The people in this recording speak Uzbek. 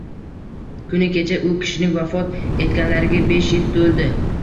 Kuni kecha u kishining vafot etganlariga besh yil to‘ldi.